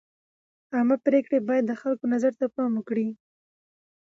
عامه پرېکړې باید د خلکو نظر ته پام وکړي.